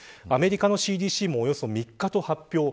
アメリカのＣＤＣもおよそ３日と発表